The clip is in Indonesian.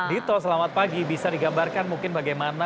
dito selamat pagi bisa digambarkan mungkin bagaimana